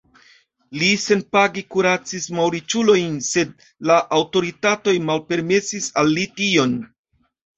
Li senpage kuracis malriĉulojn, sed la aŭtoritatoj malpermesis al li tion.